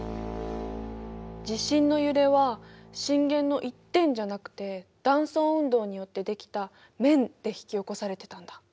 地震の揺れは震源の一点じゃなくて断層運動によって出来た面で引き起こされてたんだ。